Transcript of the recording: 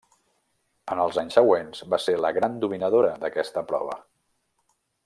En els anys següents va ser la gran dominadora d'aquesta prova.